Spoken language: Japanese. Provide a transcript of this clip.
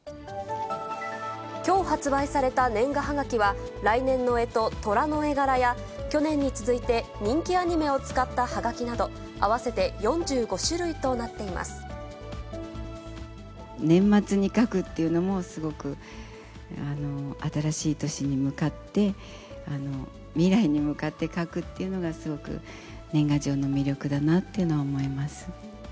きょう発売された年賀はがきは、来年のえと、とらの絵柄や、去年に続いて人気アニメを使ったはがきなど、年末に書くっていうのも、すごく新しい年に向かって、未来に向かって書くというのが、すごく年賀状の魅力だなっていうのを思います。